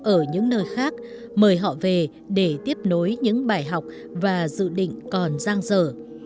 ở những nơi khác mời họ về để tiếp nối những bài học và dự định còn giang dở